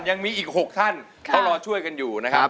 ยังมีอีก๖ท่านเขารอช่วยกันอยู่นะครับ